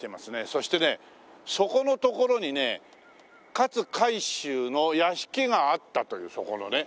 そしてねそこの所にね勝海舟の屋敷があったというそこのね。